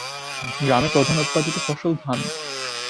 গ্রামের প্রধান উৎপাদিত ফসল ধান।